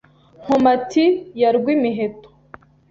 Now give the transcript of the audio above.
Nkomati ya Rwimiheto